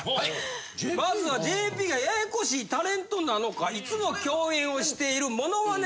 まずはＪＰがややこしいタレントなのかいつも共演をしているモノマネ